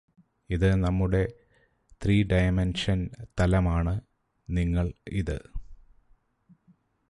ഇത് നമ്മുടെ ത്രീഡയമൻഷൻ തലമാണ് നിങ്ങള് ഇത്